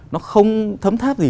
nó không thấm tháp gì